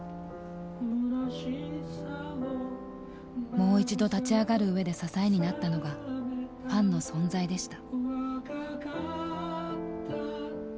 もう一度立ち上がるうえで支えになったのがファンの存在でした。